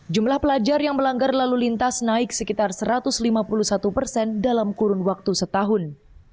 jumlah pelajar yang melanggar lalu lintas naik sekitar satu ratus lima puluh satu persen dalam kurun waktu setahun